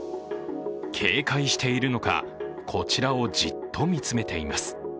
警戒しているのか、こちらをじっと見つめています。